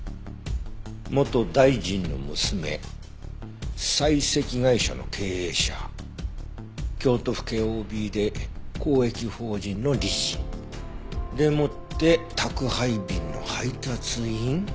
元大臣の娘採石会社の経営者京都府警ＯＢで公益法人の理事。でもって宅配便の配達員？